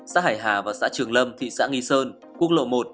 xã hải hà và xã trường lâm thị xã nghi sơn quốc lộ một